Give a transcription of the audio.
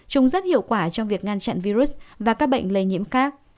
chúng rất hiệu quả trong việc ngăn chặn virus và các bệnh lây nhiễm khác